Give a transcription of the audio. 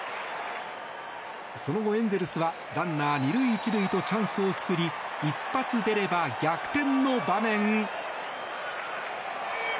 その後、エンゼルスはランナー２塁１塁とチャンスを作り一発出れば逆転の場面。